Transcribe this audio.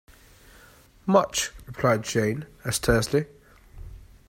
Much, replied Jeanne, as tersely.